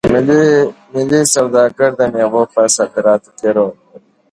ملي سوداګر د میوو په صادراتو کې رول لري.